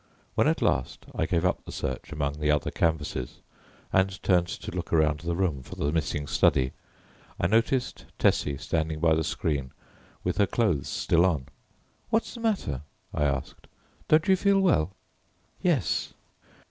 When at last I gave up the search among the other canvases and turned to look around the room for the missing study I noticed Tessie standing by the screen with her clothes still on. "What's the matter," I asked, "don't you feel well?" "Yes."